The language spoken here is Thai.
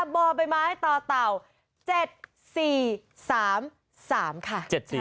บอกไปมาให้ต่อเต่า๗๔๓๓ค่ะ